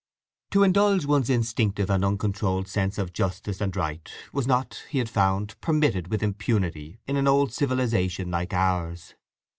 To indulge one's instinctive and uncontrolled sense of justice and right, was not, he had found, permitted with impunity in an old civilization like ours.